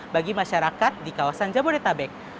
bagi masyarakat di kawasan jabodetabek